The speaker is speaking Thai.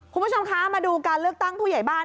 คุณผู้ชมคะมาดูการเลือกตั้งผู้ใหญ่บ้าน